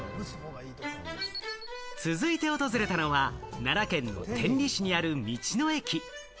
続いて訪れたのは、奈良県の天理市にある道の駅。